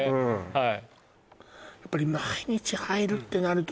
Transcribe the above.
はい